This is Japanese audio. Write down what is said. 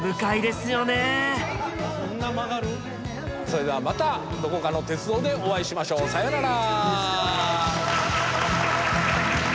それではまたどこかの鉄道でお会いしましょう。さようなら。